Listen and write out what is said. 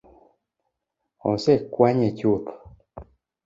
Osekwanye chuth